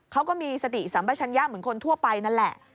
เขาก็มีสติสัมปชัญญะเหมือนคนทั่วไปนั่นแหละ